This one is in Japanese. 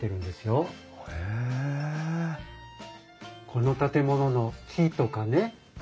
この建物の木とかね